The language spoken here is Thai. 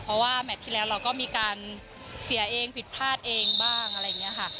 เพราะว่าแมทที่แล้วเราก็มีการเสียเองผิดพลาดเองบ้างอะไรอย่างนี้ค่ะ